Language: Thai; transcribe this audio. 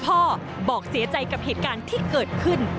บอกเสียใจกับเหตุการณ์ที่เกิดขึ้น